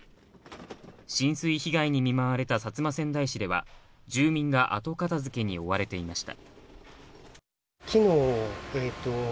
浸水被害に見舞われた薩摩川内市では住民が後片付けに追われていました。